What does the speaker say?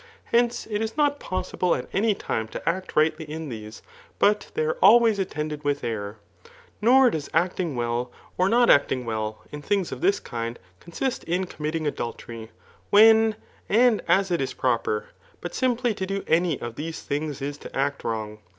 Heocs^ it is not possible at any time to act rightly in thes^ boC they are always attended with error. Nor does actmgf wdil, or not acting well, in things of this kind^ consist ia committing adultery, when, and as it is proper, bat simply to do any of these things is to act wrong.